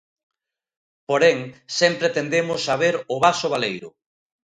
Porén, sempre tendemos a ver o vaso baleiro.